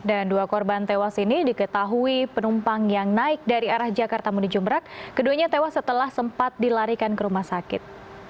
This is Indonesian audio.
dan dua korban tewas ini diketahui penumpang yang naik dari arah jakarta muni jumrak keduanya tewas setelah sempat dilarikan ke rumah sakit